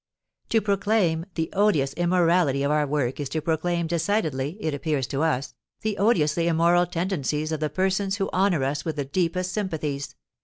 To proclaim the odious immorality of our work is to proclaim decidedly, it appears to us, the odiously immoral tendencies of the persons who honour us with the deepest sympathies.